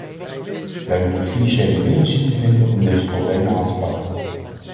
Wij moeten financiële middelen zien te vinden om deze problemen aan te pakken.